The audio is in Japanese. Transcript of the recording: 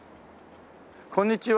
こんにちは。